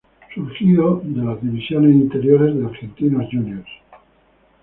Surgido de las divisiones inferiores de Argentinos Juniors.